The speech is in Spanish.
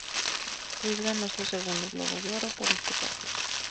Cruise ganó su segundo Globo de Oro por este papel.